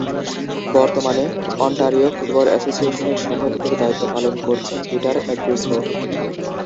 বর্তমানে Ontario football অ্যাসোসিয়েশনের সভাপতির দায়িত্ব পালন করছেন পিটার অ্যাগ্রুসো।